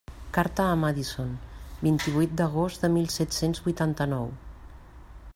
Carta a Madison, vint-i-vuit d'agost de mil set-cents vuitanta-nou.